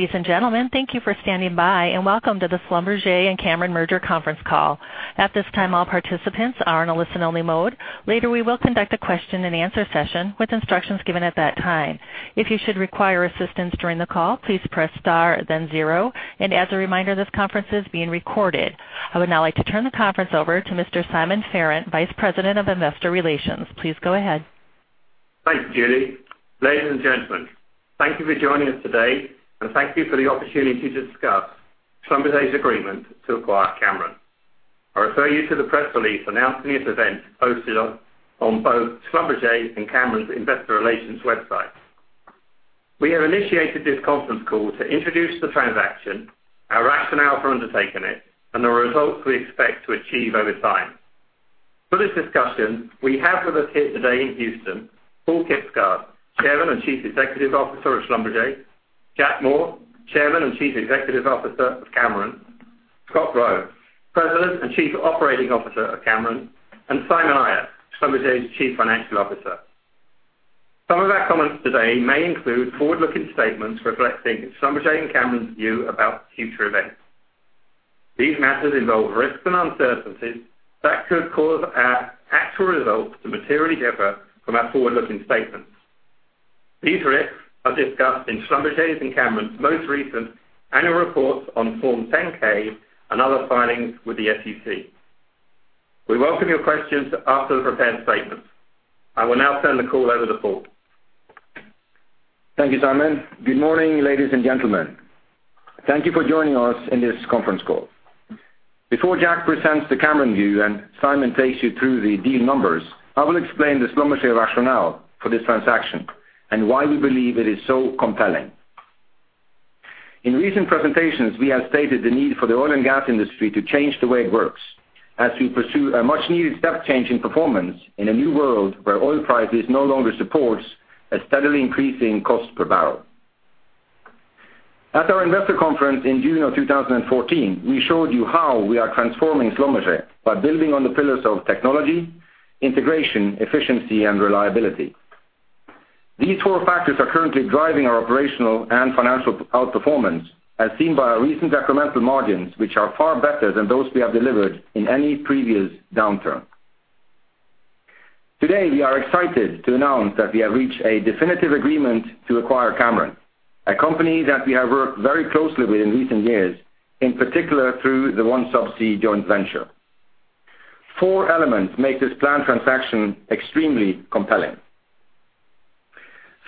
Ladies and gentlemen, thank you for standing by, and welcome to the Schlumberger and Cameron Merger Conference Call. At this time, all participants are in a listen-only mode. Later, we will conduct a question-and-answer session with instructions given at that time. If you should require assistance during the call, please press star, then zero, and as a reminder, this conference is being recorded. I would now like to turn the conference over to Mr. Simon Farrant, Vice President of Investor Relations. Please go ahead. Thanks, Julie. Ladies and gentlemen, thank you for joining us today, and thank you for the opportunity to discuss Schlumberger's agreement to acquire Cameron. I refer you to the press release announcing this event posted on both Schlumberger and Cameron's investor relations websites. We have initiated this conference call to introduce the transaction, our rationale for undertaking it, and the results we expect to achieve over time. For this discussion, we have with us here today in Houston, Paal Kibsgaard, Chairman and Chief Executive Officer of Schlumberger, Jack Moore, Chairman and Chief Executive Officer of Cameron, Scott Rowe, President and Chief Operating Officer of Cameron, and Simon Ayat, Schlumberger's Chief Financial Officer. Some of our comments today may include forward-looking statements reflecting Schlumberger and Cameron's view about future events. These matters involve risks and uncertainties that could cause our actual results to materially differ from our forward-looking statements. These risks are discussed in Schlumberger's and Cameron's most recent annual reports on Form 10-K and other filings with the SEC. We welcome your questions after the prepared statements. I will now turn the call over to Paul. Thank you, Simon. Good morning, ladies and gentlemen. Thank you for joining us in this conference call. Before Jack presents the Cameron view and Simon takes you through the deal numbers, I will explain the Schlumberger rationale for this transaction and why we believe it is so compelling. In recent presentations, we have stated the need for the oil and gas industry to change the way it works as we pursue a much-needed step change in performance in a new world where oil prices no longer support a steadily increasing cost per barrel. At our investor conference in June of 2014, we showed you how we are transforming Schlumberger by building on the pillars of technology, integration, efficiency, and reliability. These four factors are currently driving our operational and financial outperformance, as seen by our recent incremental margins, which are far better than those we have delivered in any previous downturn. Today, we are excited to announce that we have reached a definitive agreement to acquire Cameron, a company that we have worked very closely with in recent years, in particular through the OneSubsea joint venture. Four elements make this planned transaction extremely compelling.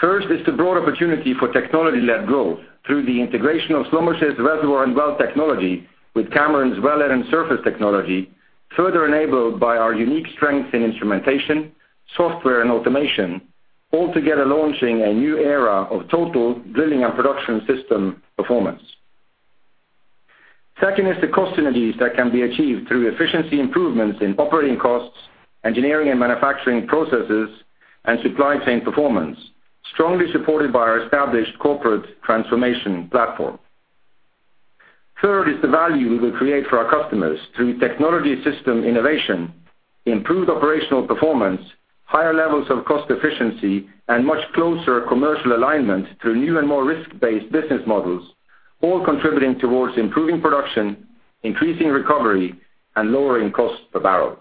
First is the broad opportunity for technology-led growth through the integration of Schlumberger's reservoir and well technology with Cameron's well and surface technology, further enabled by our unique strengths in instrumentation, software, and automation, altogether launching a new era of total drilling and production system performance. Second is the cost synergies that can be achieved through efficiency improvements in operating costs, engineering and manufacturing processes, and supply chain performance, strongly supported by our established corporate transformation platform. Third is the value we will create for our customers through technology system innovation, improved operational performance, higher levels of cost efficiency, and much closer commercial alignment through new and more risk-based business models, all contributing towards improving production, increasing recovery, and lowering cost per barrel.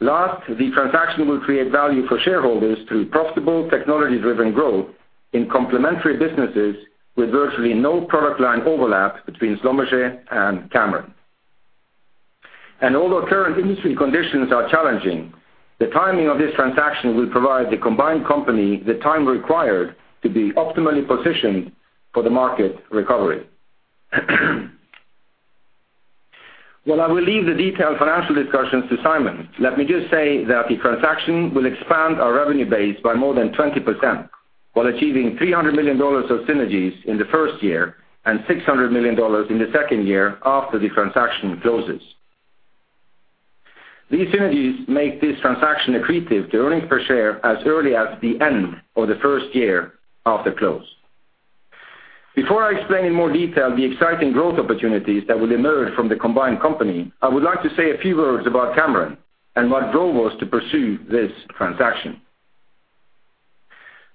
Last, the transaction will create value for shareholders through profitable, technology-driven growth in complementary businesses with virtually no product line overlap between Schlumberger and Cameron. Although current industry conditions are challenging, the timing of this transaction will provide the combined company the time required to be optimally positioned for the market recovery. While I will leave the detailed financial discussions to Simon, let me just say that the transaction will expand our revenue base by more than 20%, while achieving $300 million of synergies in the first year and $600 million in the second year after the transaction closes. These synergies make this transaction accretive to earnings per share as early as the end of the first year after close. Before I explain in more detail the exciting growth opportunities that will emerge from the combined company, I would like to say a few words about Cameron and what drove us to pursue this transaction.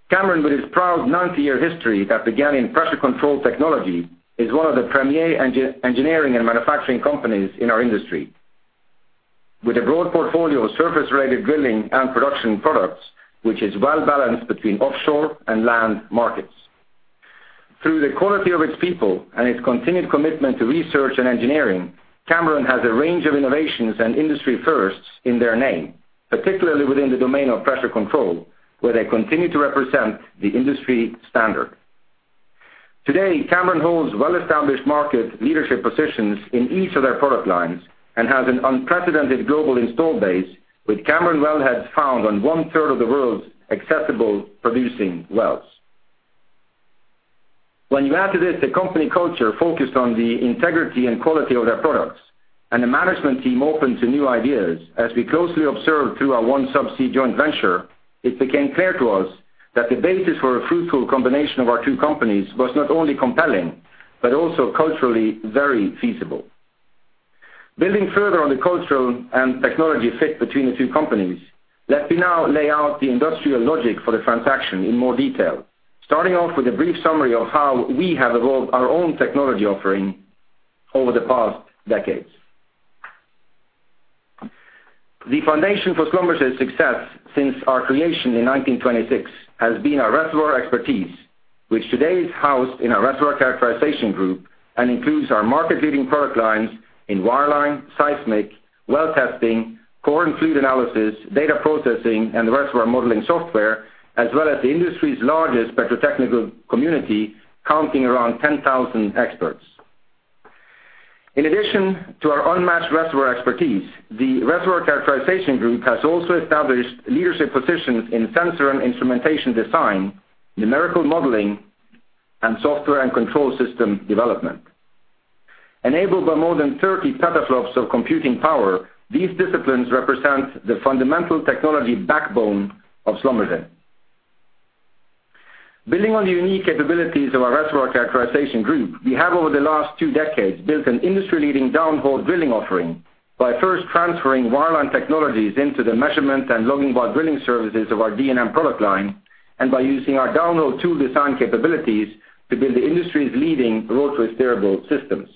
Cameron, with its proud 90-year history that began in pressure control technology, is one of the premier engineering and manufacturing companies in our industry. With a broad portfolio of surface-related drilling and production products, which is well-balanced between offshore and land markets. Through the quality of its people and its continued commitment to research and engineering, Cameron has a range of innovations and industry firsts in their name, particularly within the domain of pressure control, where they continue to represent the industry standard. Today, Cameron holds well-established market leadership positions in each of their product lines and has an unprecedented global install base, with Cameron wellheads found on one-third of the world's accessible producing wells. When you add to this a company culture focused on the integrity and quality of their products and a management team open to new ideas, as we closely observed through our OneSubsea joint venture, it became clear to us that the basis for a fruitful combination of our two companies was not only compelling but also culturally very feasible. Building further on the cultural and technology fit between the two companies, let me now lay out the industrial logic for the transaction in more detail, starting off with a brief summary of how we have evolved our own technology offering over the past decades. The foundation for Schlumberger's success since our creation in 1926 has been our reservoir expertise, which today is housed in our reservoir characterization group and includes our market-leading product lines in wireline, seismic, well testing, core and fluid analysis, data processing, and reservoir modeling software, as well as the industry's largest petrotechnical community, counting around 10,000 experts. In addition to our unmatched reservoir expertise, the reservoir characterization group has also established leadership positions in sensor and instrumentation design, numerical modeling, and software and control system development. Enabled by more than 30 petaFLOPS of computing power, these disciplines represent the fundamental technology backbone of Schlumberger. Building on the unique capabilities of our reservoir characterization group, we have over the last two decades, built an industry-leading downhole drilling offering by first transferring wireline technologies into the measurement and logging while drilling services of our D&M product line, and by using our downhole tool design capabilities to build the industry's leading rotary steerable systems.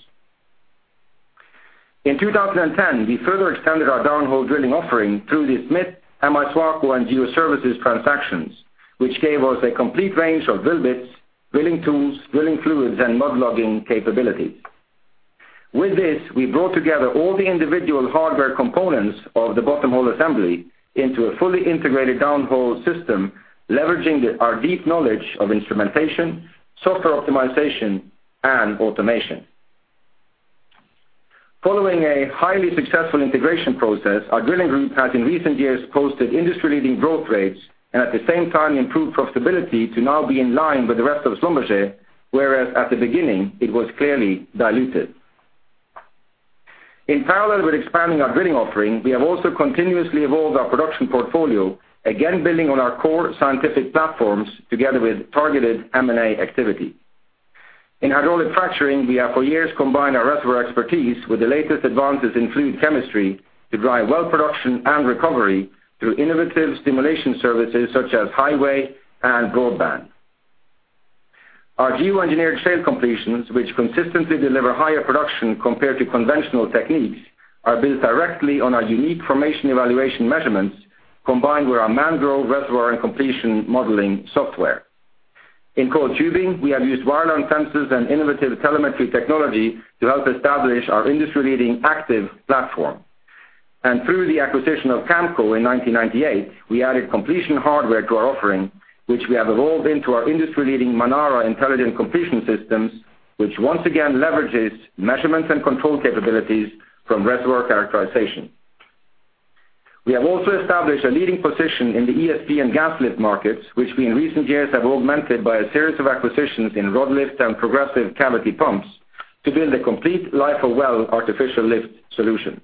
In 2010, we further extended our downhole drilling offering through the Smith, M-I SWACO, and Geoservices transactions, which gave us a complete range of drill bits, drilling tools, drilling fluids, and mud logging capabilities. With this, we brought together all the individual hardware components of the bottom hole assembly into a fully integrated downhole system, leveraging our deep knowledge of instrumentation, software optimization, and automation. Following a highly successful integration process, our drilling group has in recent years posted industry-leading growth rates and at the same time improved profitability to now be in line with the rest of Schlumberger, whereas at the beginning it was clearly diluted. In parallel with expanding our drilling offering, we have also continuously evolved our production portfolio, again, building on our core scientific platforms together with targeted M&A activity. In hydraulic fracturing, we have for years combined our reservoir expertise with the latest advances in fluid chemistry to drive well production and recovery through innovative stimulation services such as HiWAY and BroadBand. Our geoengineered shale completions, which consistently deliver higher production compared to conventional techniques, are built directly on our unique formation evaluation measurements, combined with our Mangrove reservoir and completion modeling software. In coiled tubing, we have used wireline sensors and innovative telemetry technology to help establish our industry-leading active platform. Through the acquisition of Camco in 1998, we added completion hardware to our offering, which we have evolved into our industry-leading Manara intelligent completion systems, which once again leverages measurements and control capabilities from reservoir characterization. We have also established a leading position in the ESP and gas lift markets, which we in recent years have augmented by a series of acquisitions in rod lifts and progressive cavity pumps to build a complete life of well artificial lift solution.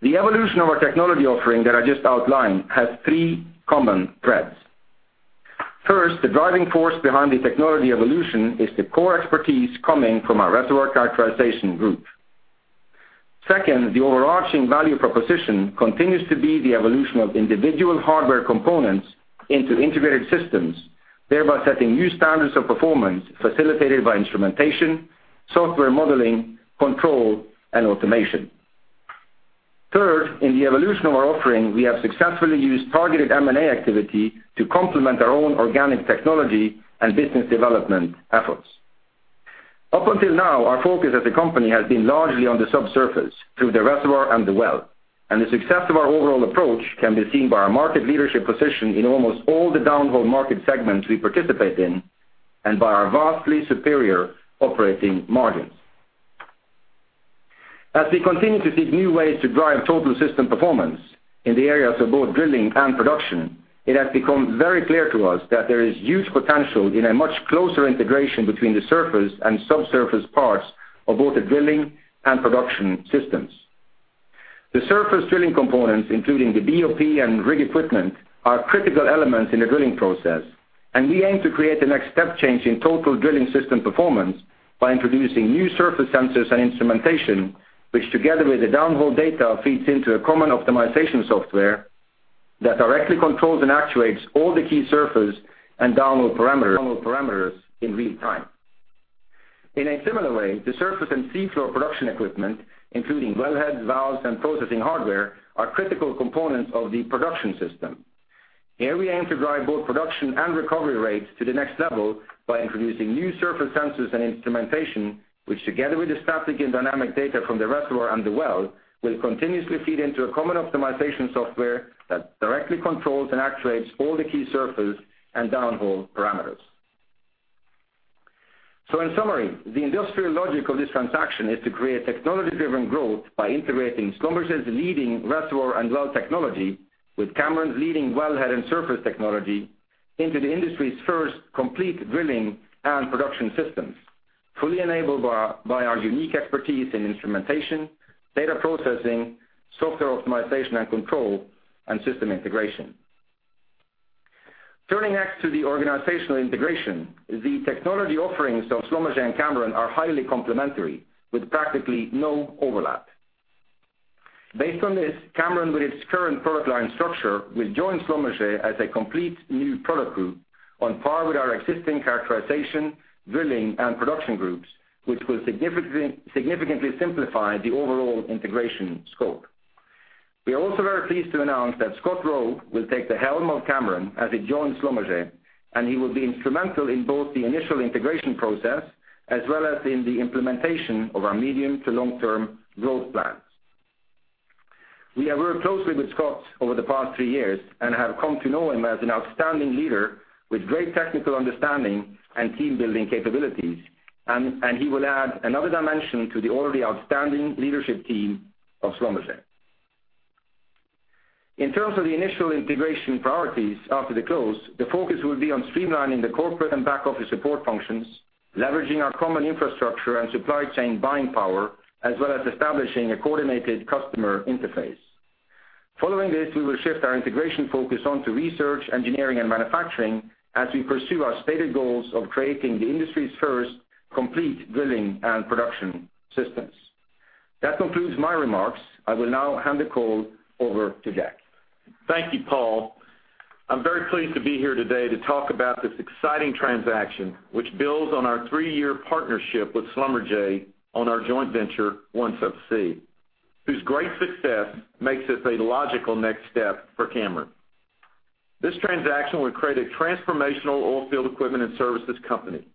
The evolution of our technology offering that I just outlined has three common threads. First, the driving force behind the technology evolution is the core expertise coming from our reservoir characterization group. The overarching value proposition continues to be the evolution of individual hardware components into integrated systems, thereby setting new standards of performance facilitated by instrumentation, software modeling, control, and automation. In the evolution of our offering, we have successfully used targeted M&A activity to complement our own organic technology and business development efforts. Up until now, our focus as a company has been largely on the subsurface through the reservoir and the well, and the success of our overall approach can be seen by our market leadership position in almost all the downhole market segments we participate in and by our vastly superior operating margins. As we continue to seek new ways to drive total system performance in the areas of both drilling and production, it has become very clear to us that there is huge potential in a much closer integration between the surface and subsurface parts of both the drilling and production systems. The surface drilling components, including the BOP and rig equipment, are critical elements in the drilling process. We aim to create the next step change in total drilling system performance by introducing new surface sensors and instrumentation, which together with the downhole data, feeds into a common optimization software that directly controls and actuates all the key surface and downhole parameters in real time. In a similar way, the surface and seafloor production equipment, including wellheads, valves, and processing hardware, are critical components of the production system. Here we aim to drive both production and recovery rates to the next level by introducing new surface sensors and instrumentation, which, together with the static and dynamic data from the reservoir and the well, will continuously feed into a common optimization software that directly controls and actuates all the key surface and downhole parameters. In summary, the industrial logic of this transaction is to create technology-driven growth by integrating Schlumberger's leading reservoir and well technology with Cameron's leading wellhead and surface technology into the industry's first complete drilling and production systems, fully enabled by our unique expertise in instrumentation, data processing, software optimization and control, and system integration. Turning next to the organizational integration. The technology offerings of Schlumberger and Cameron are highly complementary with practically no overlap. Based on this, Cameron, with its current product line structure, will join Schlumberger as a complete new product group on par with our existing Characterization, Drilling, and Production groups, which will significantly simplify the overall integration scope. We are also very pleased to announce that Scott Rowe will take the helm of Cameron as he joins Schlumberger. He will be instrumental in both the initial integration process as well as in the implementation of our medium to long-term growth plans. We have worked closely with Scott over the past three years and have come to know him as an outstanding leader with great technical understanding and team-building capabilities. He will add another dimension to the already outstanding leadership team of Schlumberger. In terms of the initial integration priorities after the close, the focus will be on streamlining the corporate and back office support functions, leveraging our common infrastructure and supply chain buying power, as well as establishing a coordinated customer interface. Following this, we will shift our integration focus on to research, engineering, and manufacturing as we pursue our stated goals of creating the industry's first complete drilling and production systems. That concludes my remarks. I will now hand the call over to Jack. Thank you, Paal. I'm very pleased to be here today to talk about this exciting transaction, which builds on our three-year partnership with Schlumberger on our joint venture, OneSubsea, whose great success makes this a logical next step for Cameron. This transaction will create a transformational oilfield equipment and services company.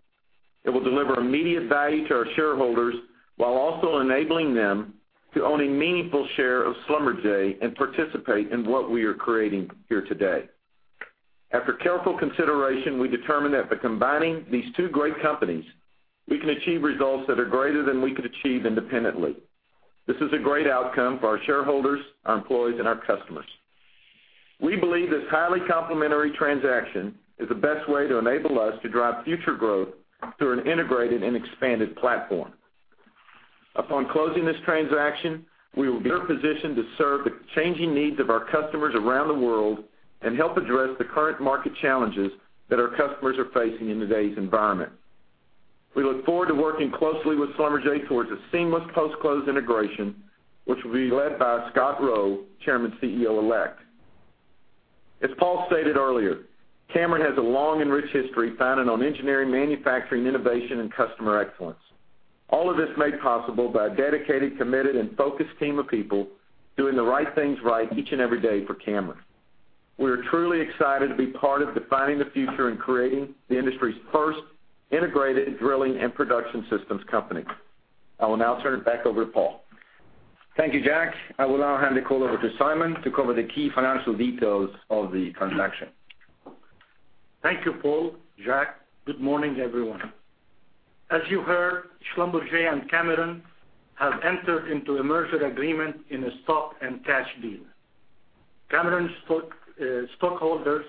It will deliver immediate value to our shareholders while also enabling them to own a meaningful share of Schlumberger and participate in what we are creating here today. After careful consideration, we determined that by combining these two great companies, we can achieve results that are greater than we could achieve independently. This is a great outcome for our shareholders, our employees, and our customers. We believe this highly complementary transaction is the best way to enable us to drive future growth through an integrated and expanded platform. Upon closing this transaction, we will be positioned to serve the changing needs of our customers around the world and help address the current market challenges that our customers are facing in today's environment. We look forward to working closely with Schlumberger towards a seamless post-close integration, which will be led by Scott Rowe, Chairman, CEO elect. As Paal stated earlier, Cameron has a long and rich history founded on engineering, manufacturing, innovation, and customer excellence. All of this made possible by a dedicated, committed, and focused team of people doing the right things right each and every day for Cameron. We are truly excited to be part of defining the future and creating the industry's first integrated drilling and production systems company. I will now turn it back over to Paal. Thank you, Jack. I will now hand the call over to Simon to cover the key financial details of the transaction. Thank you, Paal, Jack. Good morning, everyone. As you heard, Schlumberger and Cameron have entered into a merger agreement in a stock and cash deal. Cameron stockholders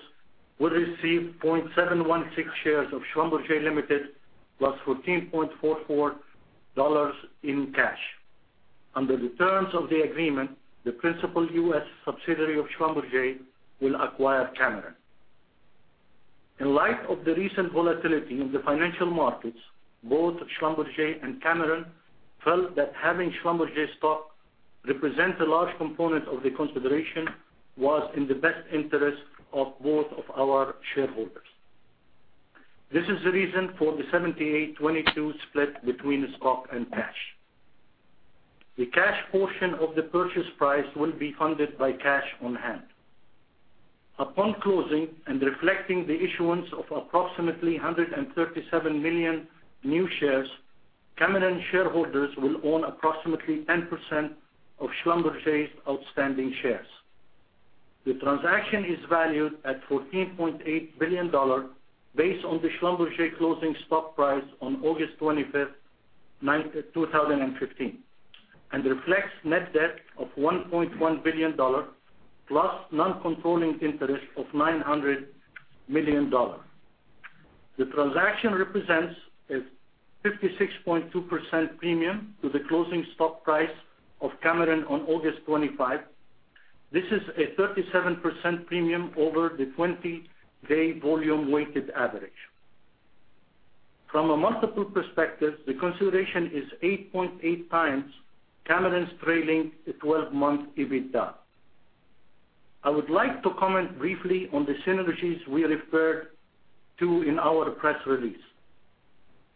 will receive 0.716 shares of Schlumberger Limited, plus $14.44 in cash. Under the terms of the agreement, the principal U.S. subsidiary of Schlumberger will acquire Cameron. In light of the recent volatility in the financial markets, both Schlumberger and Cameron felt that having Schlumberger stock represent a large component of the consideration was in the best interest of both of our shareholders. This is the reason for the 78/22 split between stock and cash. The cash portion of the purchase price will be funded by cash on hand. Upon closing and reflecting the issuance of approximately 137 million new shares, Cameron shareholders will own approximately 10% of Schlumberger's outstanding shares. The transaction is valued at $14.8 billion based on the Schlumberger closing stock price on August 25, 2015, and reflects net debt of $1.1 billion plus non-controlling interest of $900 million. The transaction represents a 56.2% premium to the closing stock price of Cameron on August 25. This is a 37% premium over the 20-day volume weighted average. From a multiple perspective, the consideration is 8.8x Cameron's trailing 12-month EBITDA. I would like to comment briefly on the synergies we referred to in our press release.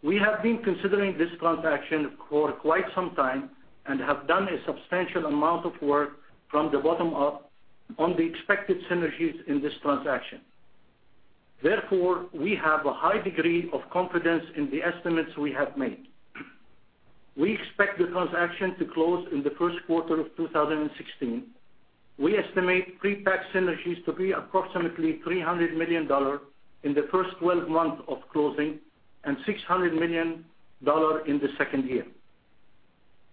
We have been considering this transaction for quite some time and have done a substantial amount of work from the bottom up on the expected synergies in this transaction. Therefore, we have a high degree of confidence in the estimates we have made. We expect the transaction to close in the first quarter of 2016. We estimate pre-tax synergies to be approximately $300 million in the first 12 months of closing and $600 million in the second year.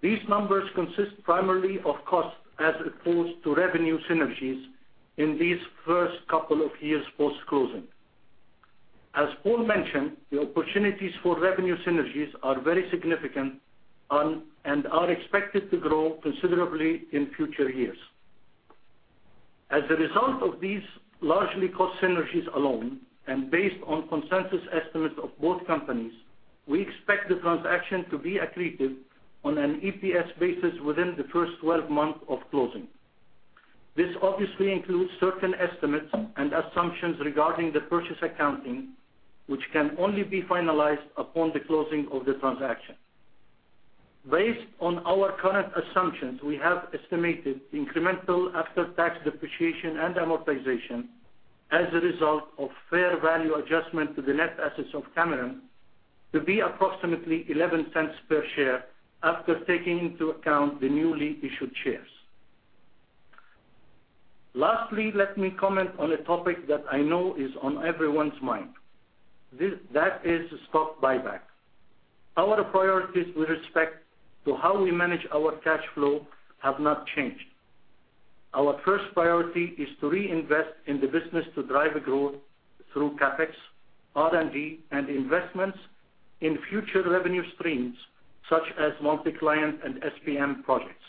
These numbers consist primarily of costs as opposed to revenue synergies in these first couple of years post-closing. As Paal mentioned, the opportunities for revenue synergies are very significant and are expected to grow considerably in future years. As a result of these largely cost synergies alone, and based on consensus estimates of both companies, we expect the transaction to be accretive on an EPS basis within the first 12 months of closing. This obviously includes certain estimates and assumptions regarding the purchase accounting, which can only be finalized upon the closing of the transaction. Based on our current assumptions, we have estimated incremental after-tax depreciation and amortization as a result of fair value adjustment to the net assets of Cameron to be approximately $0.11 per share after taking into account the newly issued shares. Lastly, let me comment on a topic that I know is on everyone's mind. That is stock buyback. Our priorities with respect to how we manage our cash flow have not changed. Our first priority is to reinvest in the business to drive growth through CapEx, R&D, and investments in future revenue streams such as multi-client and SPM projects.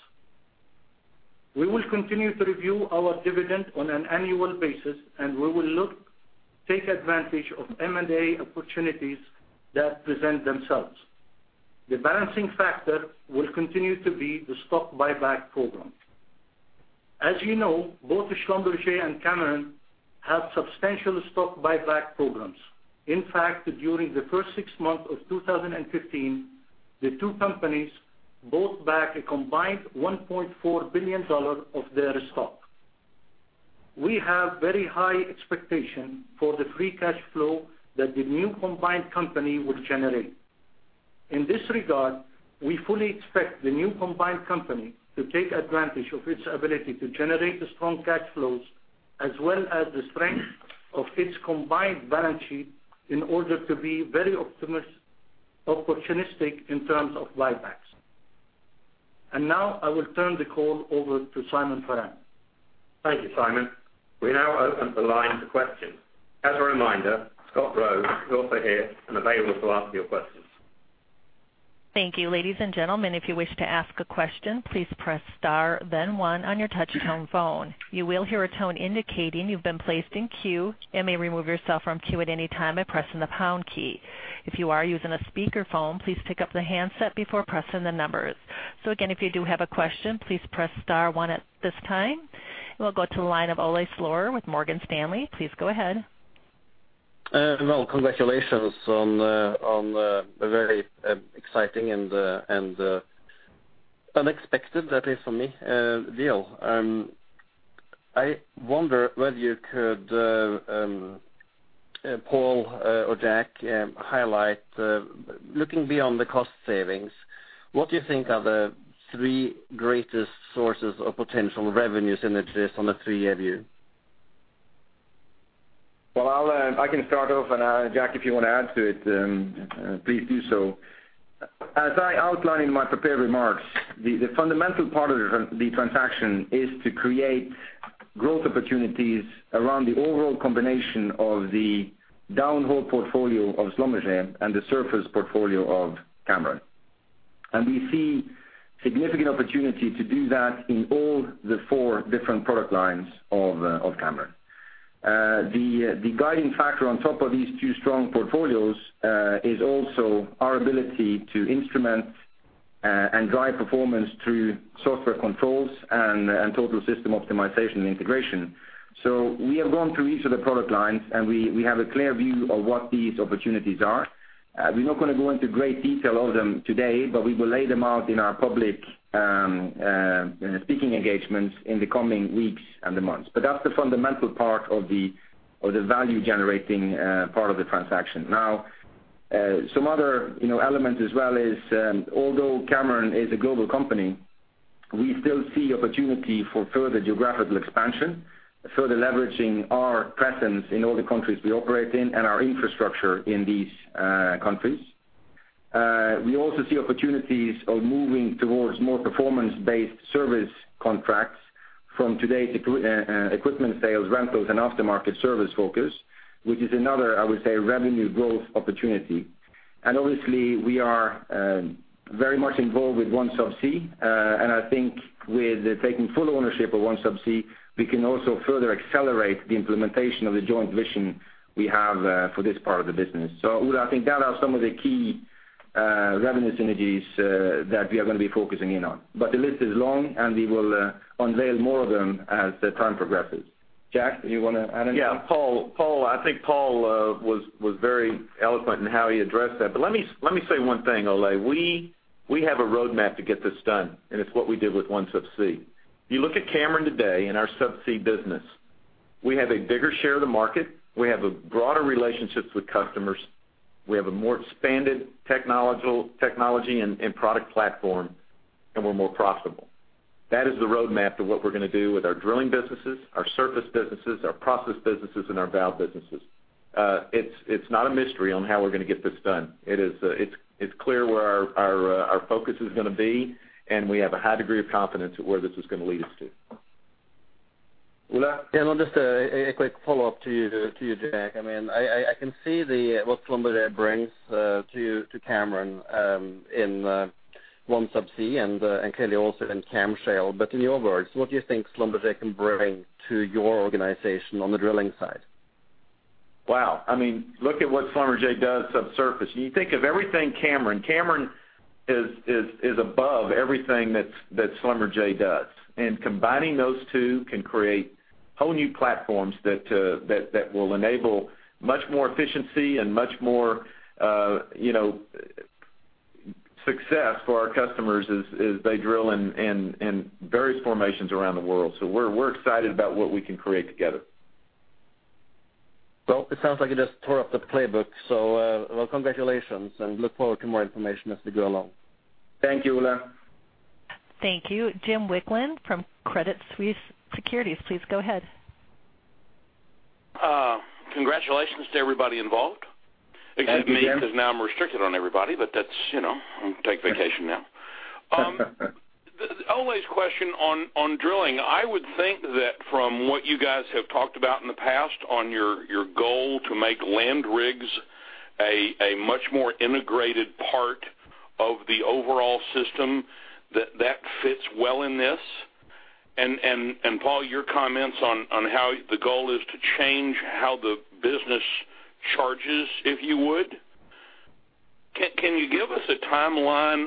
We will continue to review our dividend on an annual basis, and we will look to take advantage of M&A opportunities that present themselves. The balancing factor will continue to be the stock buyback program. As you know, both Schlumberger and Cameron have substantial stock buyback programs. In fact, during the first six months of 2015, the two companies bought back a combined $1.4 billion of their stock. We have very high expectation for the free cash flow that the new combined company will generate. In this regard, we fully expect the new combined company to take advantage of its ability to generate strong cash flows, as well as the strength of its combined balance sheet in order to be very opportunistic in terms of buybacks. Now I will turn the call over to Simon Farrant. Thank you, Simon. We now open the line to questions. As a reminder, Scott Rowe is also here and available to answer your questions. Thank you. Ladies and gentlemen, if you wish to ask a question, please press star then one on your touchtone phone. You will hear a tone indicating you've been placed in queue, and may remove yourself from queue at any time by pressing the pound key. If you are using a speakerphone, please pick up the handset before pressing the numbers. So again, if you do have a question, please press star one at this time. We'll go to the line of Ole Slorer with Morgan Stanley. Please go ahead. Well, congratulations on a very exciting and unexpected, at least for me, deal. I wonder whether you could, Paal or Jack, highlight, looking beyond the cost savings, what you think are the three greatest sources of potential revenue synergies on a three-year view? I can start off, and Jack, if you want to add to it, please do so. As I outlined in my prepared remarks, the fundamental part of the transaction is to create growth opportunities around the overall combination of the downhole portfolio of Schlumberger and the surface portfolio of Cameron. We see significant opportunity to do that in all the four different product lines of Cameron. The guiding factor on top of these two strong portfolios is also our ability to instrument and drive performance through software controls and total system optimization and integration. We have gone through each of the product lines, and we have a clear view of what these opportunities are. We're not going to go into great detail of them today, we will lay them out in our public speaking engagements in the coming weeks and months. That's the fundamental part of the value-generating part of the transaction. Now, some other elements as well is, although Cameron is a global company, we still see opportunity for further geographical expansion, further leveraging our presence in all the countries we operate in and our infrastructure in these countries. We also see opportunities of moving towards more performance-based service contracts from today's equipment sales, rentals, and aftermarket service focus, which is another, I would say, revenue growth opportunity. Obviously, we are very much involved with OneSubsea. I think with taking full ownership of OneSubsea, we can also further accelerate the implementation of the joint vision we have for this part of the business. Ole, I think that are some of the key revenue synergies that we are going to be focusing in on. The list is long and we will unveil more of them as the time progresses. Jack, do you want to add anything? Yeah, Paul, I think Paul was very eloquent in how he addressed that. Let me say one thing, Ole. We have a roadmap to get this done, and it's what we did with OneSubsea. If you look at Cameron today and our subsea business, we have a bigger share of the market, we have broader relationships with customers, we have a more expanded technology and product platform, and we're more profitable. That is the roadmap to what we're going to do with our drilling businesses, our surface businesses, our process businesses, and our valve businesses. It's not a mystery on how we're going to get this done. It's clear where our focus is going to be, and we have a high degree of confidence at where this is going to lead us to. Ola? Yeah, no, just a quick follow-up to you, Jack. I can see what Schlumberger brings to Cameron in OneSubsea and clearly also in CAMShale. In your words, what do you think Schlumberger can bring to your organization on the drilling side? Wow. Look at what Schlumberger does subsurface. You think of everything Cameron. Cameron is above everything that Schlumberger does. Combining those two can create whole new platforms that will enable much more efficiency and much more success for our customers as they drill in various formations around the world. We're excited about what we can create together. Well, it sounds like you just tore up the playbook. Well, congratulations and look forward to more information as we go along. Thank you, Ola. Thank you. Jim Wicklund from Credit Suisse Securities, please go ahead. Congratulations to everybody involved. Thank you, Jim. Except me, because now I'm restricted on everybody, but that's, you know. I'll take vacation now. Always question on drilling. I would think that from what you guys have talked about in the past on your goal to make land rigs a much more integrated part of the overall system, that fits well in this. Paal, your comments on how the goal is to change how the business charges, if you would. Can you give us a timeline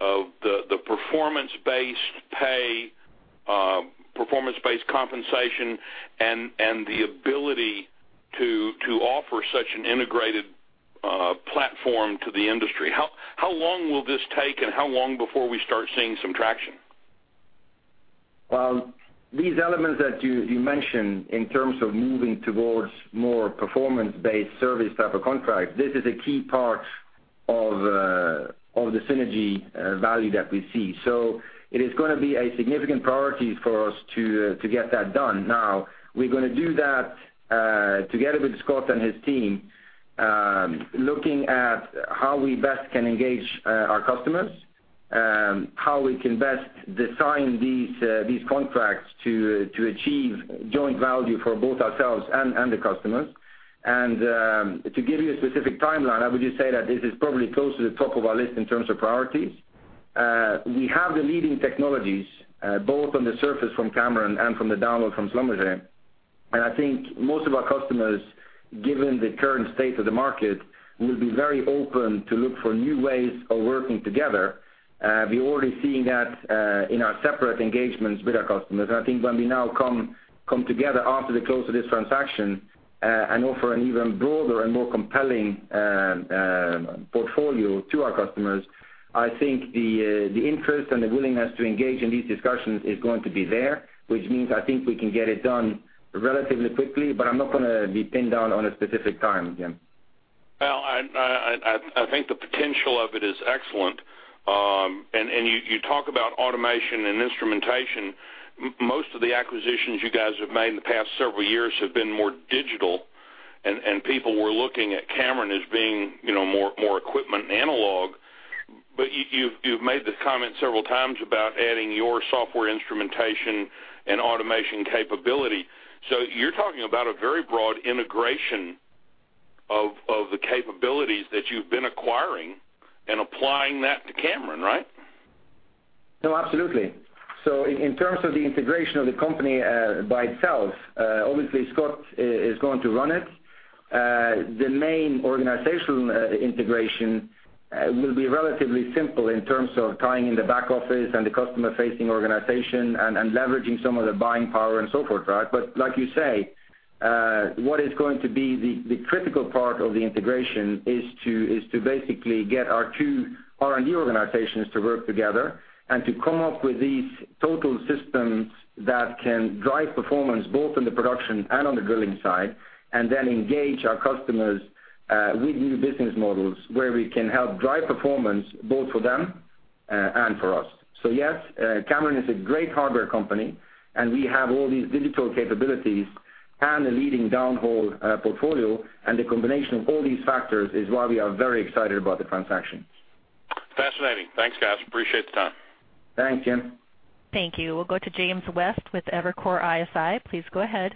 of the performance-based pay, performance-based compensation, and the ability to offer such an integrated platform to the industry? How long will this take, and how long before we start seeing some traction? Well, these elements that you mentioned in terms of moving towards more performance-based service type of contract, this is a key part of the synergy value that we see. It is going to be a significant priority for us to get that done. Now, we're going to do that together with Scott and his team, looking at how we best can engage our customers, how we can best design these contracts to achieve joint value for both ourselves and the customers. To give you a specific timeline, I would just say that this is probably close to the top of our list in terms of priorities. We have the leading technologies, both on the surface from Cameron and from the downhole from Schlumberger. I think most of our customers, given the current state of the market, will be very open to look for new ways of working together. We're already seeing that in our separate engagements with our customers. I think when we now come together after the close of this transaction, and offer an even broader and more compelling portfolio to our customers, I think the interest and the willingness to engage in these discussions is going to be there, which means I think we can get it done relatively quickly, but I'm not going to be pinned down on a specific time, Jim. Well, I think the potential of it is excellent. You talk about automation and instrumentation. Most of the acquisitions you guys have made in the past several years have been more digital, and people were looking at Cameron as being more equipment analog. You've made the comment several times about adding your software instrumentation and automation capability. You're talking about a very broad integration of the capabilities that you've been acquiring and applying that to Cameron, right? No, absolutely. In terms of the integration of the company by itself, obviously Scott is going to run it. The main organizational integration will be relatively simple in terms of tying in the back office and the customer-facing organization and leveraging some of the buying power and so forth. Like you say, what is going to be the critical part of the integration is to basically get our two R&D organizations to work together and to come up with these total systems that can drive performance both on the production and on the drilling side, and then engage our customers with new business models where we can help drive performance both for them and for us. Yes, Cameron is a great hardware company, and we have all these digital capabilities and a leading downhole portfolio, and the combination of all these factors is why we are very excited about the transaction. Fascinating. Thanks, guys. Appreciate the time. Thanks, Jim. Thank you. We'll go to James West with Evercore ISI. Please go ahead.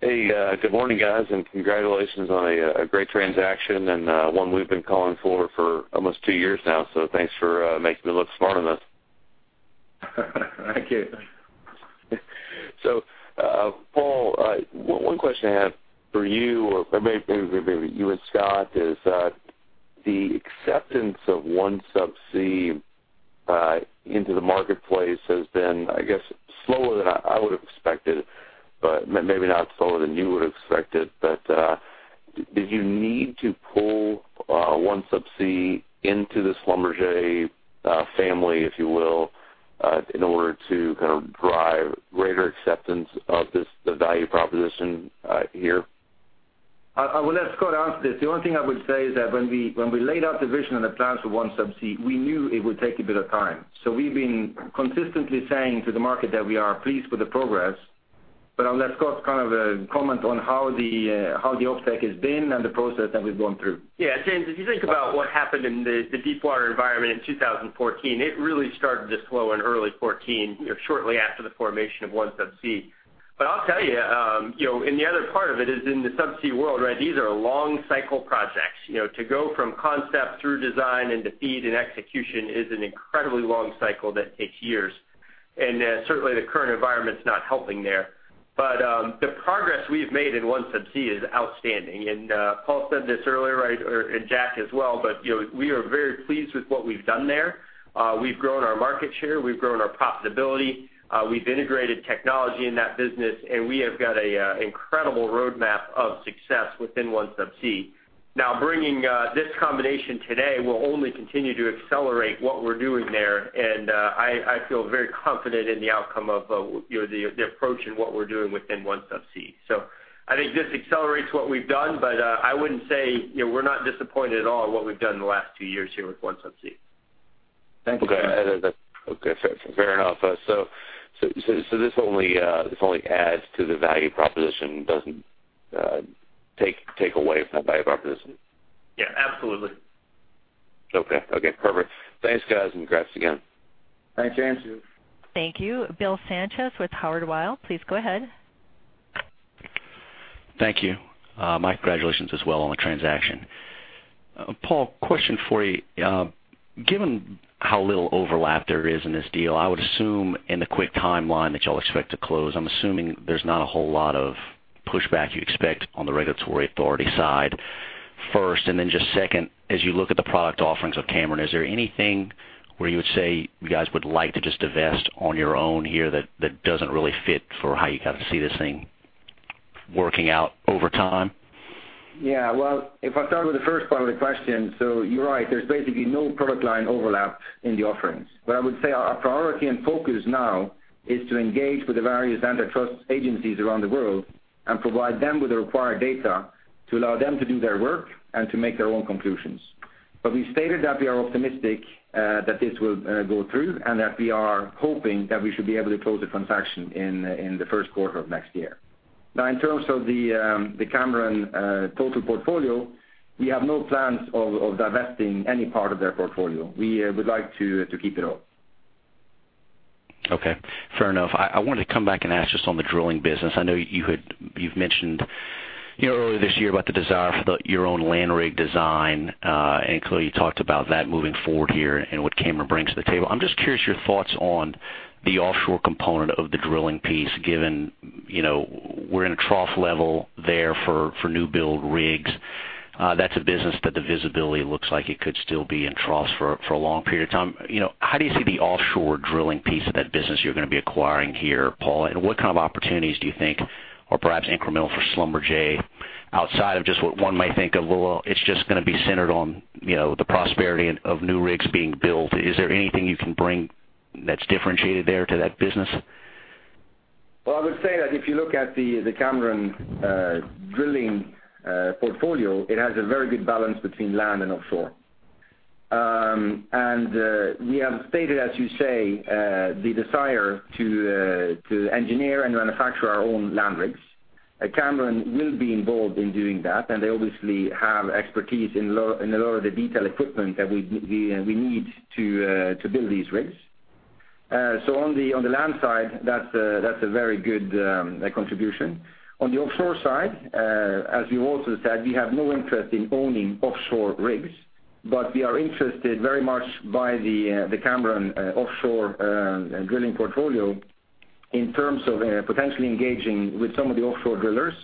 Good morning, guys, congratulations on a great transaction and one we've been calling for almost two years now. Thanks for making me look smart on this. Thank you. Paal, one question I have for you, or maybe you and Scott, is the acceptance of OneSubsea into the marketplace has been, I guess, slower than I would have expected, maybe not slower than you would have expected. Did you need to pull OneSubsea into the Schlumberger family, if you will, in order to kind of drive greater acceptance of the value proposition here? I will let Scott answer this. The only thing I would say is that when we laid out the vision and the plans for OneSubsea, we knew it would take a bit of time. We've been consistently saying to the market that we are pleased with the progress. I'll let Scott kind of comment on how the OpEx has been and the process that we've gone through. Yeah, James, if you think about what happened in the deepwater environment in 2014, it really started to slow in early 2014, shortly after the formation of OneSubsea. I'll tell you, and the other part of it is in the subsea world, these are long cycle projects. To go from concept through design into FEED and execution is an incredibly long cycle that takes years. Certainly, the current environment's not helping there. The progress we've made in OneSubsea is outstanding. Paal said this earlier, and Jack as well, we are very pleased with what we've done there. We've grown our market share. We've grown our profitability. We've integrated technology in that business, and we have got an incredible roadmap of success within OneSubsea. Now, bringing this combination today will only continue to accelerate what we're doing there, and I feel very confident in the outcome of the approach in what we're doing within OneSubsea. I think this accelerates what we've done, but I wouldn't say we're not disappointed at all what we've done in the last two years here with OneSubsea. Thank you. Okay. Fair enough. This only adds to the value proposition. It doesn't take away from that value proposition. Yeah, absolutely. Okay. Perfect. Thanks, guys, and congrats again. Thanks, James. Thank you. Bill Sanchez with Howard Weil. Please go ahead. Thank you. My congratulations as well on the transaction. Paul, question for you. Given how little overlap there is in this deal, I would assume in the quick timeline that y'all expect to close, I'm assuming there's not a whole lot of pushback you expect on the regulatory authority side, first. Just second, as you look at the product offerings of Cameron, is there anything where you would say you guys would like to just divest on your own here that doesn't really fit for how you kind of see this thing working out over time? Well, if I start with the first part of the question, you're right. There's basically no product line overlap in the offerings. What I would say our priority and focus now is to engage with the various antitrust agencies around the world and provide them with the required data to allow them to do their work and to make their own conclusions. We stated that we are optimistic that this will go through and that we are hoping that we should be able to close the transaction in the first quarter of next year. In terms of the Cameron total portfolio, we have no plans of divesting any part of their portfolio. We would like to keep it all. Okay, fair enough. I wanted to come back and ask just on the drilling business. I know you've mentioned earlier this year about the desire for your own land rig design, and clearly, you talked about that moving forward here and what Cameron brings to the table. I'm just curious your thoughts on the offshore component of the drilling piece, given we're in a trough level there for new build rigs. That's a business that the visibility looks like it could still be in troughs for a long period of time. How do you see the offshore drilling piece of that business you're going to be acquiring here, Paul? What kind of opportunities do you think are perhaps incremental for Schlumberger outside of just what one might think of, well, it's just gonna be centered on the prosperity of new rigs being built. Is there anything you can bring that's differentiated there to that business? Well, I would say that if you look at the Cameron drilling portfolio, it has a very good balance between land and offshore. We have stated, as you say, the desire to engineer and manufacture our own land rigs. Cameron will be involved in doing that, and they obviously have expertise in a lot of the detail equipment that we need to build these rigs. On the land side, that's a very good contribution. On the offshore side, as you also said, we have no interest in owning offshore rigs, but we are interested very much by the Cameron offshore drilling portfolio in terms of potentially engaging with some of the offshore drillers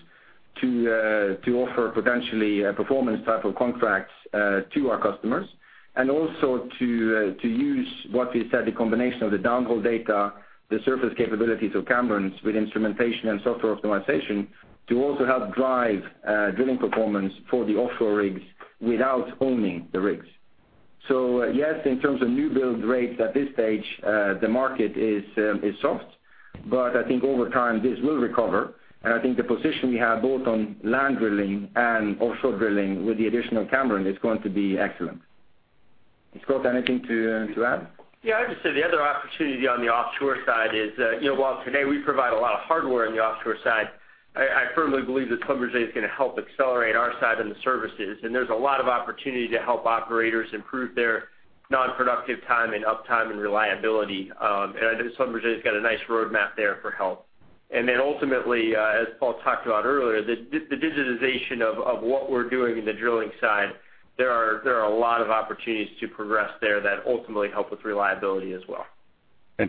to offer potentially performance type of contracts to our customers. Also to use what we said, the combination of the downhole data, the surface capabilities of Cameron's with instrumentation and software optimization to also help drive drilling performance for the offshore rigs without owning the rigs. Yes, in terms of new build rates at this stage, the market is soft, but I think over time this will recover, and I think the position we have both on land drilling and offshore drilling with the addition of Cameron is going to be excellent. Scott, anything to add? Yeah, I'd just say the other opportunity on the offshore side is while today we provide a lot of hardware on the offshore side, I firmly believe that Schlumberger is gonna help accelerate our side in the services, and there's a lot of opportunity to help operators improve their non-productive time and uptime and reliability. I know Schlumberger's got a nice roadmap there for help. Then ultimately, as Paul talked about earlier, the digitization of what we're doing in the drilling side, there are a lot of opportunities to progress there that ultimately help with reliability as well.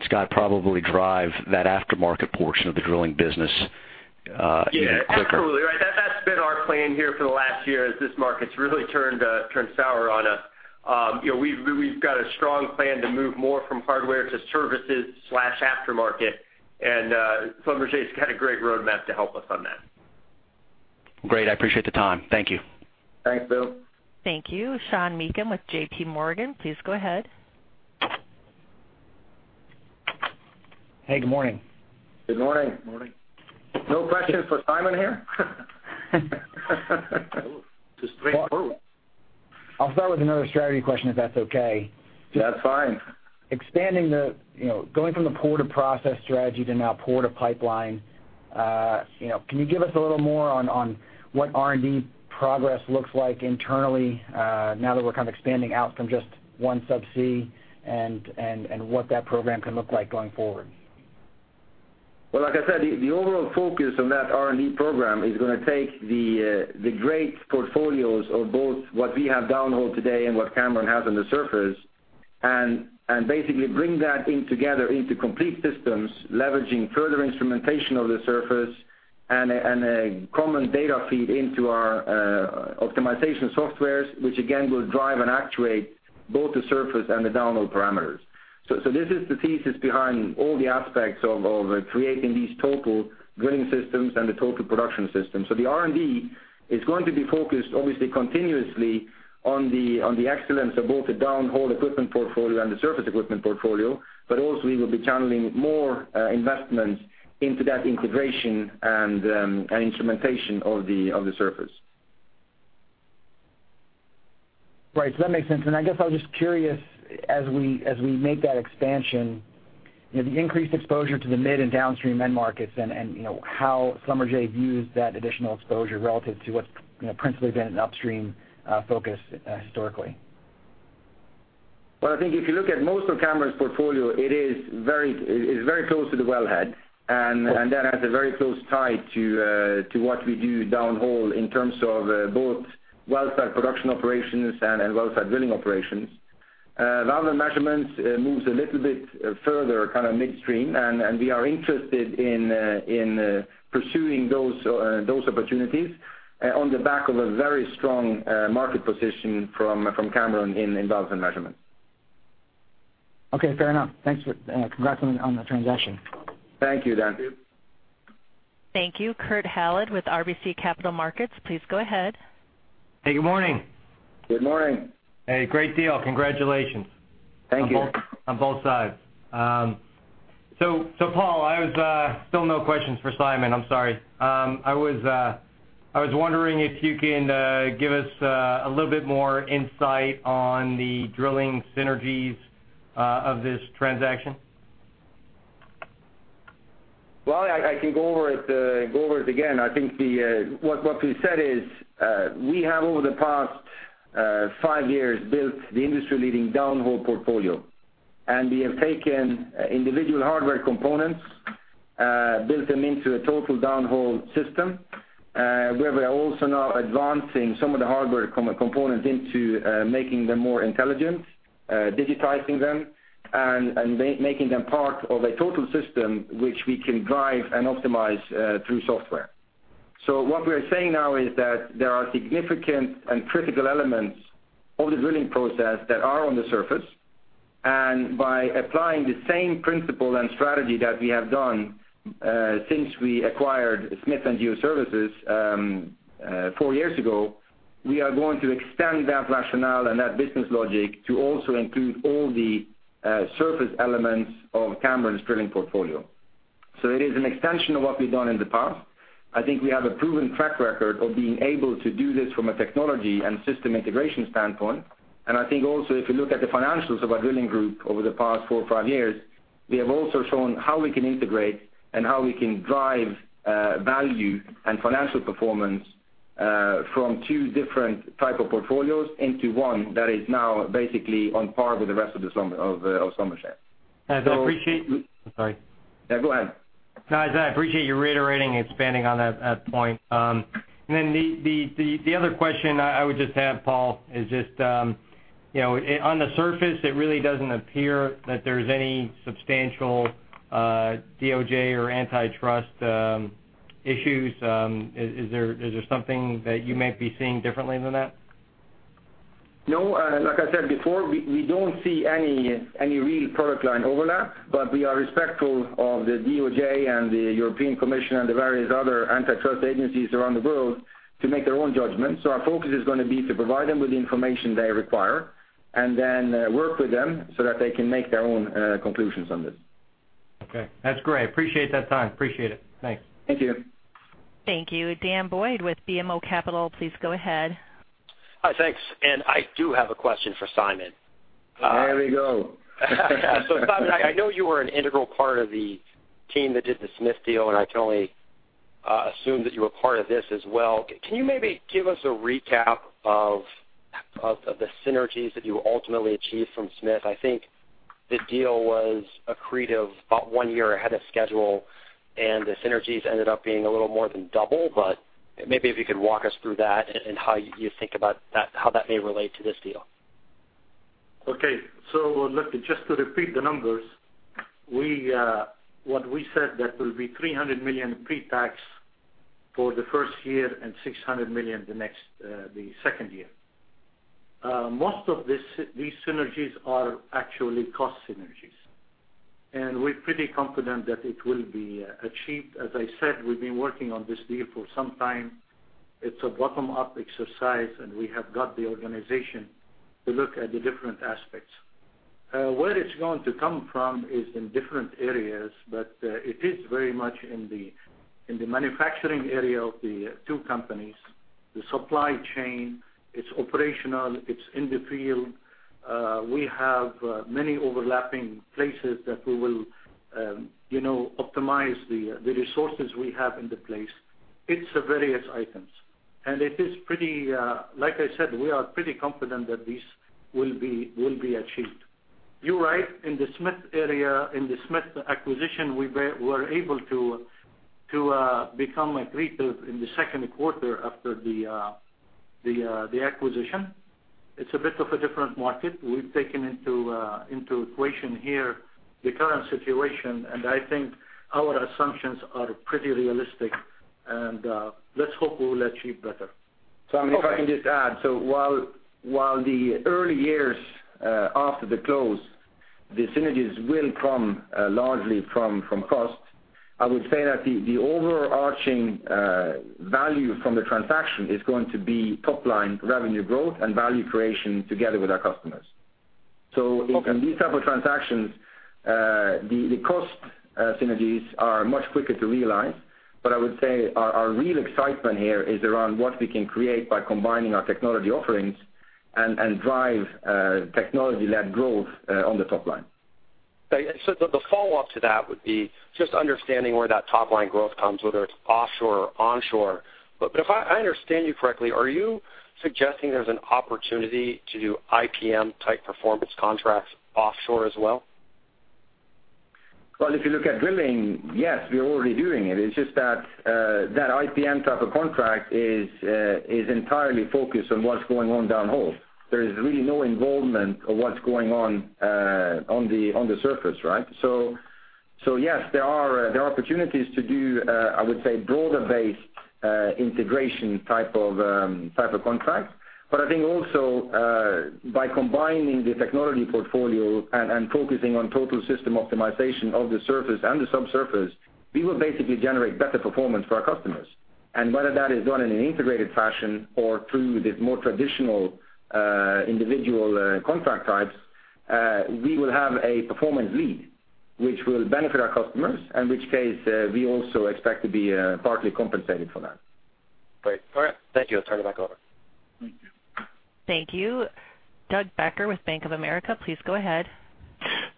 Scott, probably drive that aftermarket portion of the drilling business even quicker. Yeah, absolutely. Right, that's been our plan here for the last year as this market's really turned sour on us. We've got a strong plan to move more from hardware to services/aftermarket, and Schlumberger's got a great roadmap to help us on that. Great. I appreciate the time. Thank you. Thanks, Bill. Thank you. Sean Meakim with JPMorgan. Please go ahead. Hey, good morning. Good morning. Morning. No questions for Simon here? No. Just straight through. I'll start with another strategy question, if that's okay. That's fine. Going from the pore to process strategy to now pore to pipeline, can you give us a little more on what R&D progress looks like internally now that we're kind of expanding out from just OneSubsea, and what that program can look like going forward? Well, like I said, the overall focus of that R&D program is going to take the great portfolios of both what we have downhole today and what Cameron has on the surface, and basically bring that in together into complete systems, leveraging further instrumentation of the surface and a common data feed into our optimization softwares, which again, will drive and actuate both the surface and the downhole parameters. This is the thesis behind all the aspects of creating these total drilling systems and the total production system. The R&D is going to be focused, obviously, continuously on the excellence of both the downhole equipment portfolio and the surface equipment portfolio, but also we will be channeling more investments into that integration and instrumentation of the surface. Right. That makes sense. I guess I was just curious, as we make that expansion, the increased exposure to the mid and downstream end markets and how Schlumberger views that additional exposure relative to what's principally been an upstream focus historically. Well, I think if you look at most of Cameron's portfolio, it is very close to the wellhead, and that has a very close tie to what we do downhole in terms of both well site production operations and well site drilling operations. Valve and measurements moves a little bit further, kind of midstream, we are interested in pursuing those opportunities on the back of a very strong market position from Cameron in valves and measurements. Okay, fair enough. Thanks. Congratulations on the transaction. Thank you, Dan. Thank you. Kurt Hallead with RBC Capital Markets, please go ahead. Hey, good morning. Good morning. Hey, great deal. Congratulations. Thank you. On both sides. Paal, still no questions for Simon, I'm sorry. I was wondering if you can give us a little bit more insight on the drilling synergies of this transaction. I can go over it again. I think what we said is we have, over the past five years, built the industry-leading downhole portfolio, and we have taken individual hardware components, built them into a total downhole system, where we are also now advancing some of the hardware components into making them more intelligent, digitizing them, and making them part of a total system which we can drive and optimize through software. What we are saying now is that there are significant and critical elements of the drilling process that are on the surface, and by applying the same principle and strategy that we have done since we acquired Smith Geo Services four years ago, we are going to extend that rationale and that business logic to also include all the surface elements of Cameron's drilling portfolio. It is an extension of what we've done in the past. I think we have a proven track record of being able to do this from a technology and system integration standpoint. I think also, if you look at the financials of our drilling group over the past four or five years, we have also shown how we can integrate and how we can drive value and financial performance from two different type of portfolios into one that is now basically on par with the rest of Schlumberger. Sorry. Yeah, go ahead. No, I said I appreciate you reiterating and expanding on that point. The other question I would just add, Paul, is just on the surface, it really doesn't appear that there's any substantial DOJ or antitrust issues. Is there something that you might be seeing differently than that? No, like I said before, we don't see any real product line overlap. We are respectful of the DOJ and the European Commission and the various other antitrust agencies around the world to make their own judgment. Our focus is going to be to provide them with the information they require and then work with them so that they can make their own conclusions on this. Okay. That's great. Appreciate that time. Appreciate it. Thanks. Thank you. Thank you. Dan Boyd with BMO Capital, please go ahead. Hi. Thanks. I do have a question for Simon. There we go. Simon, I know you were an integral part of the team that did the Smith deal, and I can only assume that you were part of this as well. Can you maybe give us a recap of the synergies that you ultimately achieved from Smith? I think the deal was accretive about one year ahead of schedule, and the synergies ended up being a little more than double. Maybe if you could walk us through that and how you think about how that may relate to this deal. Okay. Look, just to repeat the numbers, what we said that will be $300 million pre-tax for the first year and $600 million the second year. Most of these synergies are actually cost synergies, and we're pretty confident that it will be achieved. As I said, we've been working on this deal for some time. It's a bottom-up exercise, and we have got the organization to look at the different aspects. Where it's going to come from is in different areas, but it is very much in the manufacturing area of the two companies, the supply chain. It's operational. It's in the field. We have many overlapping places that we will optimize the resources we have in the place. It's various items. Like I said, we are pretty confident that these will be achieved. You're right. In the Smith acquisition, we were able to become accretive in the second quarter after the acquisition. It's a bit of a different market. We've taken into equation here the current situation, and I think our assumptions are pretty realistic, and let's hope we will achieve better. If I can just add. While the early years after the close, the synergies will come largely from cost, I would say that the overarching value from the transaction is going to be top-line revenue growth and value creation together with our customers. Okay. In these type of transactions, the cost synergies are much quicker to realize, but I would say our real excitement here is around what we can create by combining our technology offerings and drive technology-led growth on the top line. The follow-up to that would be just understanding where that top-line growth comes, whether it's offshore or onshore. If I understand you correctly, are you suggesting there's an opportunity to do IPM-type performance contracts offshore as well? Well, if you look at drilling, yes, we are already doing it. It's just that that IPM type of contract is entirely focused on what's going on downhole. There is really no involvement of what's going on the surface, right? Yes, there are opportunities to do, I would say, broader-based integration type of contract. I think also, by combining the technology portfolio and focusing on total system optimization of the surface and the subsurface, we will basically generate better performance for our customers. Whether that is done in an integrated fashion or through the more traditional individual contract types, we will have a performance lead, which will benefit our customers, and which case we also expect to be partly compensated for that. Great. All right. Thank you. I'll turn it back over. Thank you. Thank you. Douglas Becker with Bank of America, please go ahead.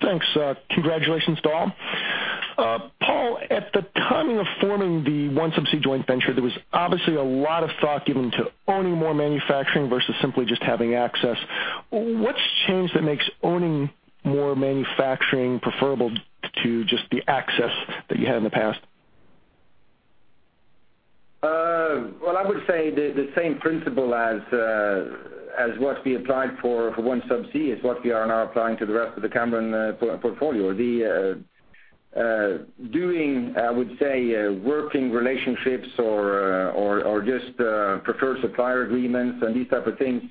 Thanks. Congratulations to all. Paal, at the timing of forming the OneSubsea joint venture, there was obviously a lot of thought given to owning more manufacturing versus simply just having access. What's changed that makes owning more manufacturing preferable to just the access that you had in the past? Well, I would say the same principle as what we applied for OneSubsea is what we are now applying to the rest of the Cameron portfolio. Doing, I would say, working relationships or just preferred supplier agreements and these type of things,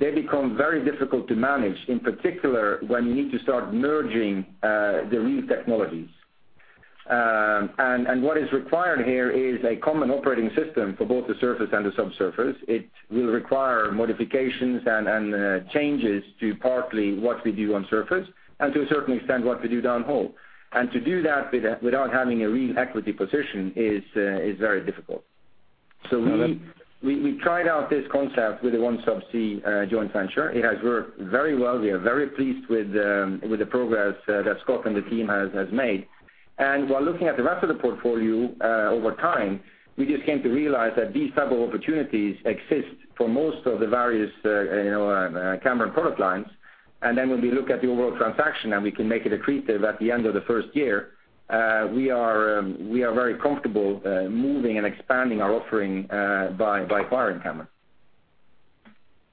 they become very difficult to manage, in particular, when you need to start merging the real technologies. What is required here is a common operating system for both the surface and the subsurface. It will require modifications and changes to partly what we do on surface, and to a certain extent, what we do downhole. To do that without having a real equity position is very difficult. We tried out this concept with the OneSubsea joint venture. It has worked very well. We are very pleased with the progress that Scott and the team has made. While looking at the rest of the portfolio over time, we just came to realize that these type of opportunities exist for most of the various Cameron product lines. When we look at the overall transaction, and we can make it accretive at the end of the first year, we are very comfortable moving and expanding our offering by acquiring Cameron.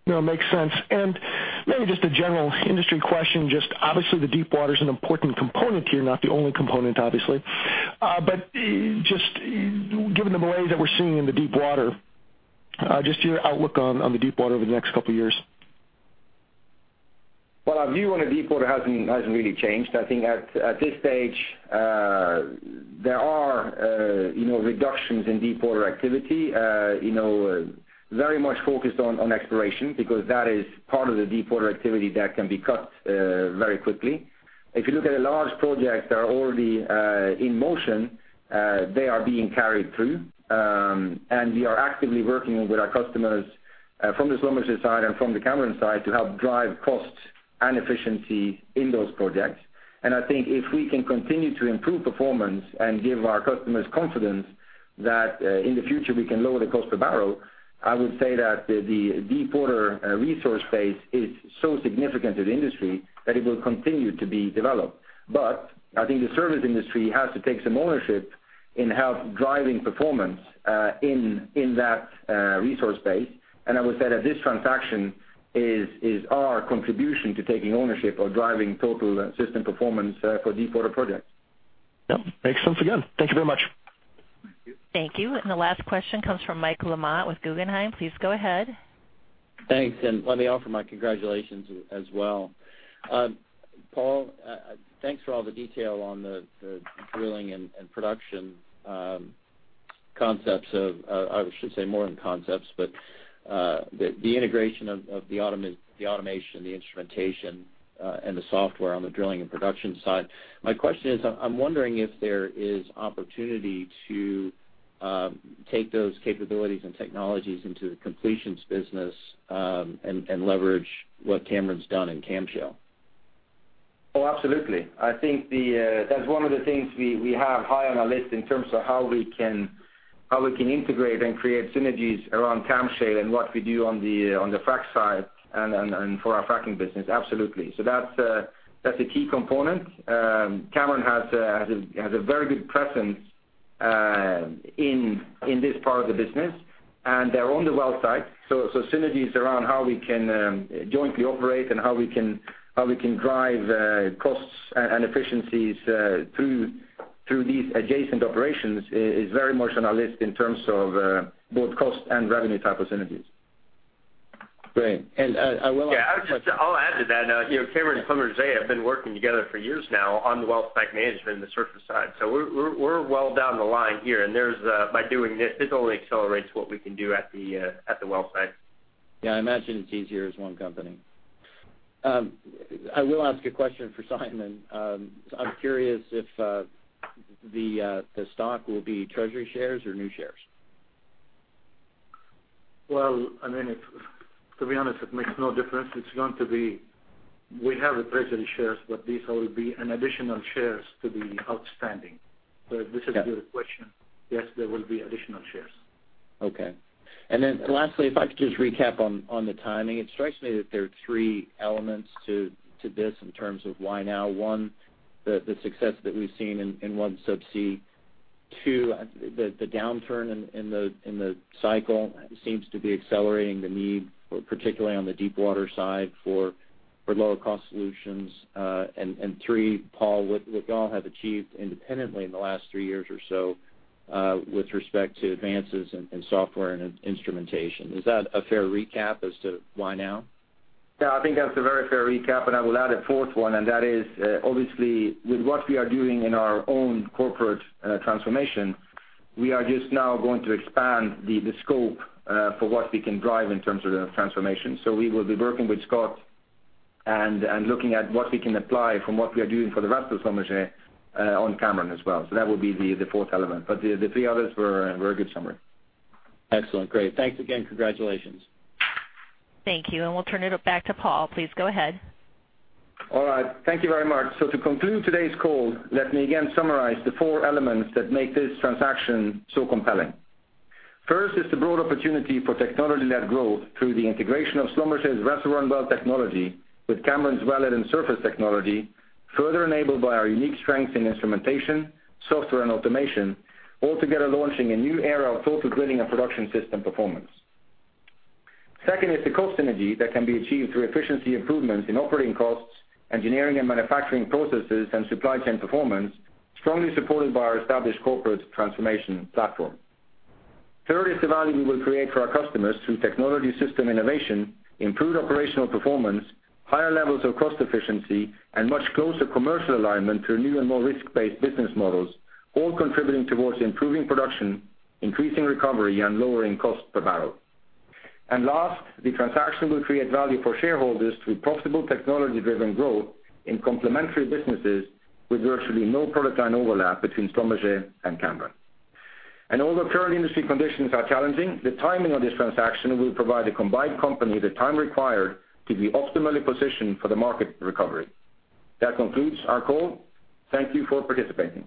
No, makes sense. Maybe just a general industry question, just obviously the deepwater is an important component here, not the only component, obviously. Just given the malaise that we're seeing in the deepwater, just your outlook on the deepwater over the next couple of years. Well, our view on the deepwater hasn't really changed. I think at this stage, there are reductions in deepwater activity, very much focused on exploration because that is part of the deepwater activity that can be cut very quickly. If you look at large projects that are already in motion, they are being carried through. We are actively working with our customers from the Schlumberger side and from the Cameron side to help drive costs and efficiency in those projects. I think if we can continue to improve performance and give our customers confidence that in the future we can lower the cost per barrel, I would say that the deepwater resource base is so significant to the industry that it will continue to be developed. I think the service industry has to take some ownership in help driving performance in that resource base. I would say that this transaction is our contribution to taking ownership or driving total system performance for deepwater projects. Yep. Makes sense again. Thank you very much. Thank you. Thank you. The last question comes from Michael LaMotte with Guggenheim. Please go ahead. Thanks. Let me offer my congratulations as well. Paal, thanks for all the detail on the drilling and production. I should say more than concepts, but the integration of the automation, the instrumentation, and the software on the drilling and production side. My question is, I'm wondering if there is opportunity to take those capabilities and technologies into the completions business, and leverage what Cameron's done in CAMShale? Oh, absolutely. I think that's one of the things we have high on our list in terms of how we can integrate and create synergies around CAMShale and what we do on the frac side and for our fracking business, absolutely. That's a key component. Cameron has a very good presence in this part of the business, and they're on the well site. Synergies around how we can jointly operate and how we can drive costs and efficiencies through these adjacent operations is very much on our list in terms of both cost and revenue type of synergies. Great. I will ask. Yeah, I'll add to that. Cameron and Schlumberger have been working together for years now on the well site management and the surface side. We're well down the line here, and by doing this only accelerates what we can do at the well site. Yeah, I imagine it's easier as one company. I will ask a question for Simon. I'm curious if the stock will be treasury shares or new shares. Well, I mean, to be honest, it makes no difference. We have treasury shares, but these will be an additional shares to be outstanding. If this is your question, yes, there will be additional shares. Okay. Lastly, if I could just recap on the timing. It strikes me that there are three elements to this in terms of why now. One, the success that we've seen in OneSubsea. Two, the downturn in the cycle seems to be accelerating the need, particularly on the deep water side, for lower cost solutions. Three, Paul, what y'all have achieved independently in the last three years or so, with respect to advances in software and instrumentation. Is that a fair recap as to why now? Yeah, I think that's a very fair recap. I will add a fourth one. That is, obviously, with what we are doing in our own corporate transformation, we are just now going to expand the scope for what we can drive in terms of the transformation. We will be working with Scott and looking at what we can apply from what we are doing for the rest of Schlumberger on Cameron as well. That would be the fourth element, but the three others were a good summary. Excellent. Great. Thanks again. Congratulations. Thank you. We'll turn it back to Paul. Please go ahead. All right. Thank you very much. To conclude today's call, let me again summarize the four elements that make this transaction so compelling. First is the broad opportunity for technology-led growth through the integration of Schlumberger's reservoir and well technology with Cameron's wellhead and surface technology, further enabled by our unique strength in instrumentation, software, and automation, altogether launching a new era of total drilling and production system performance. Second is the cost synergy that can be achieved through efficiency improvements in operating costs, engineering and manufacturing processes, and supply chain performance, strongly supported by our established corporate transformation platform. Third is the value we will create for our customers through technology system innovation, improved operational performance, higher levels of cost efficiency, and much closer commercial alignment to new and more risk-based business models, all contributing towards improving production, increasing recovery, and lowering cost per barrel. Last, the transaction will create value for shareholders through profitable technology-driven growth in complementary businesses with virtually no product line overlap between Schlumberger and Cameron. Although current industry conditions are challenging, the timing of this transaction will provide the combined company the time required to be optimally positioned for the market recovery. That concludes our call. Thank you for participating.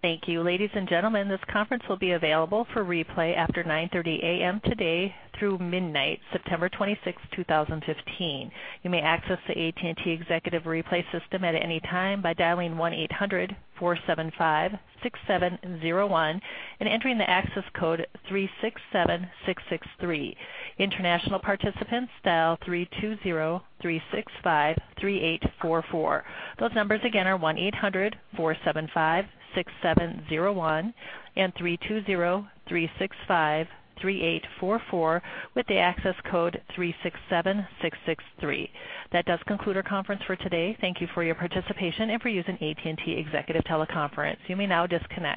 Thank you. Ladies and gentlemen, this conference will be available for replay after 9:30 A.M. today through midnight, September 26th, 2015. You may access the AT&T Executive Replay system at any time by dialing 1-800-475-6701 and entering the access code 367663. International participants, dial 320-365-3844. Those numbers again are 1-800-475-6701 and 320-365-3844 with the access code 367663. That does conclude our conference for today. Thank you for your participation and for using AT&T Executive Teleconference. You may now disconnect.